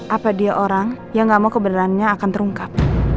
apa dia orang yang gak mau kebenarannya akan terungkap